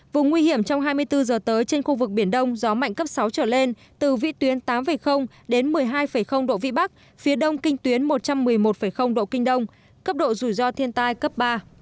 vùng nguy hiểm trong hai mươi bốn h tới trên khu vực biển đông gió mạnh cấp sáu trở lên từ vị tuyến tám đến một mươi hai độ vĩ bắc phía đông kinh tuyến một trăm một mươi một độ kinh đông cấp độ rủi ro thiên tai cấp ba